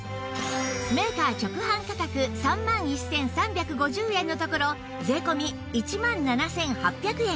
メーカー直販価格３万１３５０円のところ税込１万７８００円